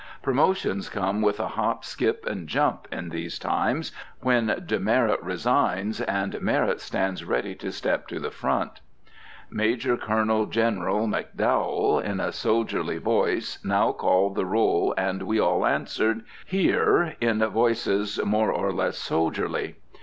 Promotions come with a hop, skip, and jump, in these times, when demerit resigns and merit stands ready to step to the front. Major Colonel General McDowell, in a soldierly voice, now called the roll, and we all answered, "Here!" in voices more or less soldierly.